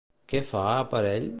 Què fa per ell?